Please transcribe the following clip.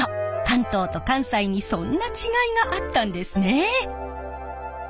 関東と関西にそんな違いがあったんですね。